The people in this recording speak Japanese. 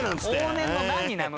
往年の何なの？